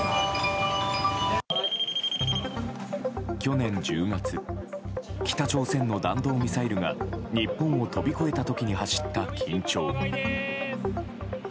去年１０月北朝鮮の弾道ミサイルが日本を飛び越えた時に走った緊張。